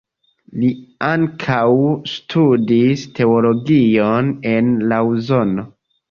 Li ankaŭ studis teologion en Laŭzano.